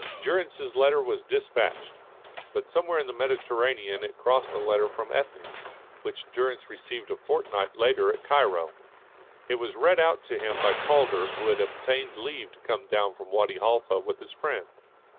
Durrance's letter was despatched, but somewhere in the Mediterranean it crossed a letter from Ethne, which Durrance received a fortnight later at Cairo. It was read out to him by Calder, who had obtained leave to come down from Wadi Halfa with his friend.